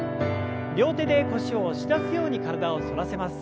両手で腰を押し出すように体を反らせます。